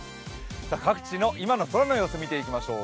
各地の今の空の様子見ていきましょう。